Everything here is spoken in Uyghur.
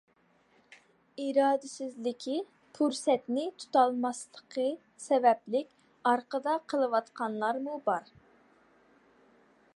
ئىرادىسىزلىكى، پۇرسەتنى تۇتالماسلىقى سەۋەبلىك ئارقىدا قېلىۋاتقانلارمۇ بار.